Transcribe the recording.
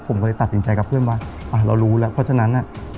ผมก็เลยตัดสินใจกับเพื่อนว่าเรารู้แล้วเพราะฉะนั้น